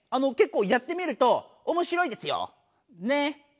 けっこうやってみるとおもしろいですよ。ね！